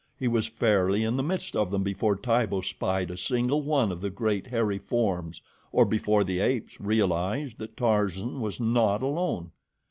He was fairly in the midst of them before Tibo spied a single one of the great hairy forms, or before the apes realized that Tarzan was not alone.